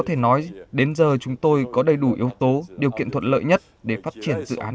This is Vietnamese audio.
thể nói đến giờ chúng tôi có đầy đủ yếu tố điều kiện thuận lợi nhất để phát triển dự án